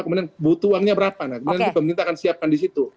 kemudian butuh uangnya berapa nanti pemerintah akan siapkan di situ